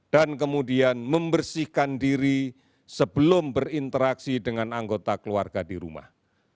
dan kemudian membersihkan diri sebelum berinteraksi dengan anggota keluarga di rumah